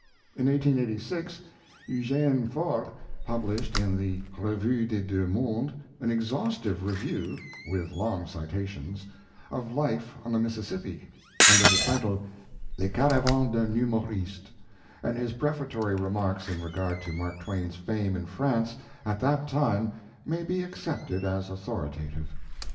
In 1886, Eugene Forgues published in the 'Revue des Deux Mondes' an exhaustive review (with long citations) of 'Life on the Mississippi', under the title 'Les Caravans d'un humoriste'; and his prefatory remarks in regard to Mark Twain's fame in France at that time may be accepted as authoritative.